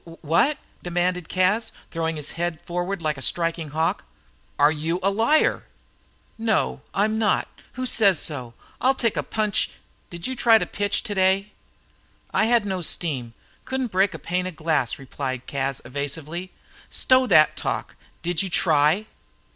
"Wha at?" demanded Cas, throwing his head forward like a striking hawk. "Are you a liar?" "No, I'm not. Who says so? I'll take a punch " "Did you try to pitch today?" "I had no steam; couldn't break a pane of glass," replied Cas, evasively. "Stow that talk. Did you try?"